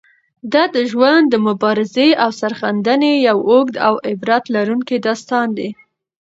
د ده ژوند د مبارزې او سرښندنې یو اوږد او عبرت لرونکی داستان دی.